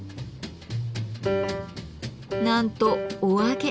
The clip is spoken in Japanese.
なんとお揚げ。